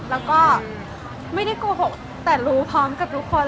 แล้วก็ไม่ได้โกหกแต่รู้พร้อมกับทุกคน